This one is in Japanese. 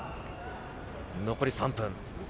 残り３分。